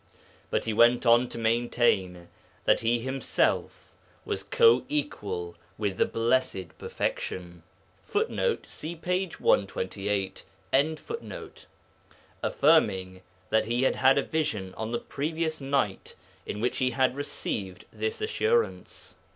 But he went on to maintain that he himself was co equal with the Blessed Perfection, [Footnote: See p. 128.] affirming that he had a vision on the previous night in which he had received this assurance.